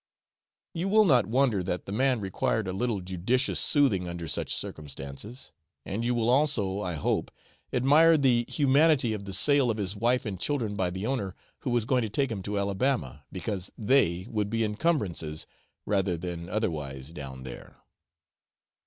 You will not wonder that the man required a little judicious soothing under such circumstances, and you will also, I hope, admire the humanity of the sale of his wife and children by the owner who was going to take him to Alabama, because they would be incumbrances rather than otherwise down there.